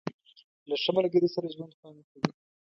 • له ښه ملګري سره ژوند خوند کوي.